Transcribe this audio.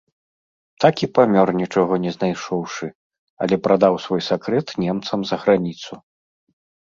Так і памёр, нічога не знайшоўшы, але прадаў свой сакрэт немцам за граніцу.